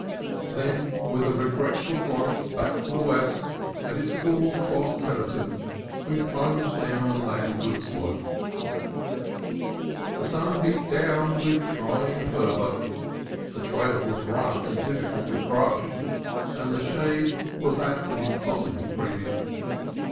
Then, with a regretful glance back to the west and its cool fog curtain, we plunged down the landward slope. The sun beat down with trying fervor, the trail was rough and difficult with brush, and shade was at an impossible premium.